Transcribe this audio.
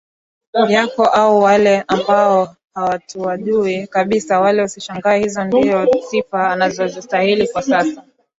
yako au wale ambao hatuwajui kabisa Wala usishangae hizo ndio sifa anazositahili kwa sasa